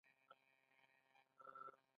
د مایا دولت ښارونو تاریخ یو شوم پای راښيي